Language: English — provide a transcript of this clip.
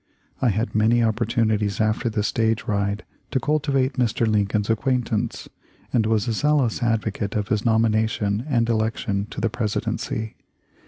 I had many opportunities after the stage ride to cultivate Mr. Lincoln's acquaintance, and was a zealous advocate of his nomination and election to the Presidency.